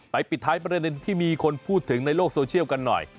ปิดท้ายประเด็นที่มีคนพูดถึงในโลกโซเชียลกันหน่อย